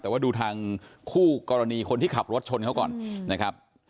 แต่ว่าดูทางคู่กรณีคนที่ขับรถชนเขาก่อนนะครับ